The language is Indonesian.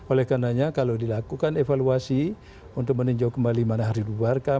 oleh karena kalau dilakukan evaluasi untuk meninjau kembali mana yang harus dibuarkan